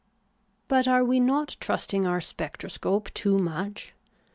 But are we not trusting our spectroscope too much